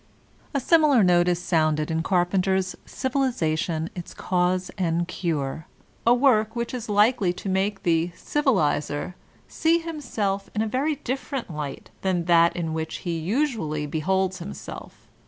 A similar note is sounded in Carpenter's "Civilization : Its Cause and Cure/' a work which is likely to make the "Civilizer" see himself in a very different light than that in which he usually beholds himself.